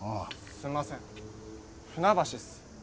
すんません船橋っす。